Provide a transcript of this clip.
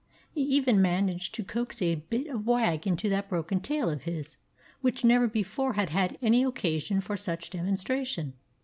He even managed to coax a bit of wag into that broken tail of his, which never before had had any occasion for such demonstration.